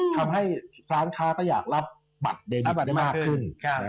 ทำให้สาธารณ์ค้าก็อยากรับบัตรเดมิตได้มากขึ้น